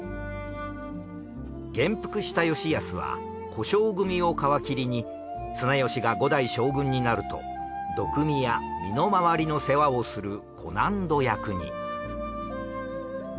元服した吉保は小姓組を皮切りに綱吉が５代将軍になると毒見や身の回りの世話をする小納戸役に。